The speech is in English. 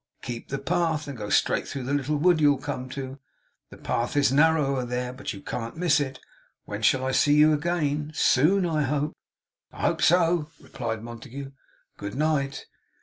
Keep the path, and go straight through the little wood you'll come to. The path is narrower there, but you can't miss it. When shall I see you again? Soon I hope?' 'I hope so,' replied Montague. 'Good night!